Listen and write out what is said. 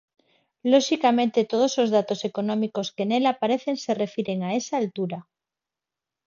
Loxicamente todos os datos económicos que nela aparecen se refiren a esa altura.